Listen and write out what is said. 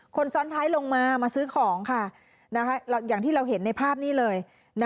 คนซ้อนท้ายลงมามาซื้อของค่ะอย่างที่เราเห็นในภาพนี้เลย